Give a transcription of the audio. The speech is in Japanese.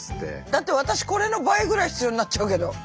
だって私これの倍ぐらい必要になっちゃうけど。